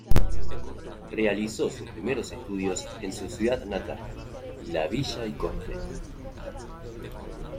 Realizó sus primeros estudios en su ciudad natal "La Villa y Corte".